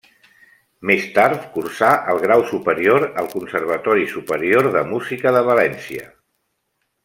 Més tard cursà el grau superior al Conservatori Superior de Música de València.